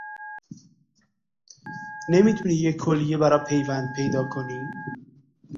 نمی تونی یه کلیه برا پیوند پیدا کنی؟